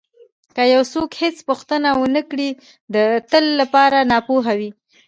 که یو څوک هېڅ پوښتنه ونه کړي د تل لپاره ناپوه وي.